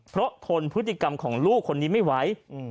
เพราะทนพฤติกรรมของลูกคนนี้ไม่ไหว